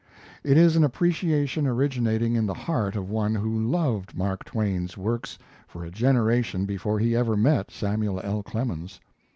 It is an appreciation originating in the heart of one who loved Mark Twain's works for a generation before he ever met Samuel L. Clemens.